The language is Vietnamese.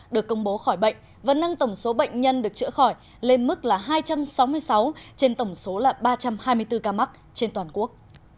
được công bố khỏi bệnh và nâng tổng số bệnh nhân được chữa khỏi lên mức là hai trăm sáu mươi sáu trên tổng số ba trăm hai mươi bốn ca mắc trên toàn quốc